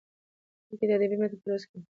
بلکې د ادبي متن په لوست کې يې